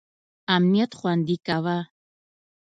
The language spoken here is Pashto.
امنیت خوندي کاوه.